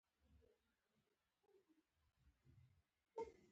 غیرتمند د شهید ویاړ ساتي